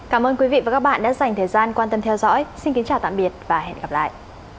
cảm ơn quý vị và các bạn đã theo dõi và hẹn gặp lại